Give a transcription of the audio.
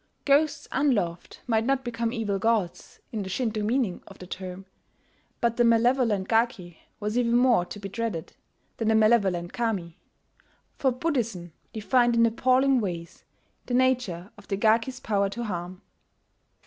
Ghosts unloved might not become "evil gods" in the Shinto meaning of the term; but the malevolent Gaki was even more to be dreaded than the malevolent Kami, for Buddhism defined in appalling ways the nature of the Gaki's power to harm.